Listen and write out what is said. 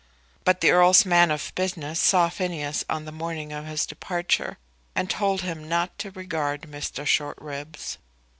But the Earl's man of business saw Phineas on the morning of his departure, and told him not to regard Mr. Shortribs.